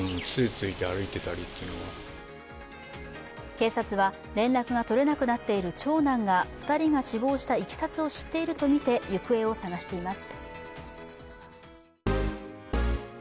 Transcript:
警察は連絡が取れなくなっている長男が２人が死亡したいきさつを知っているとみて、行方を捜しています。